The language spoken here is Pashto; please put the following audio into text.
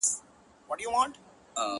o لويه گناه.